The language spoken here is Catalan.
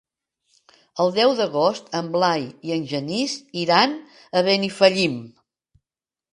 El deu d'agost en Blai i en Genís iran a Benifallim.